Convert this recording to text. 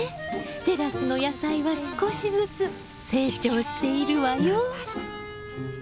テラスの野菜は少しずつ成長しているわよ。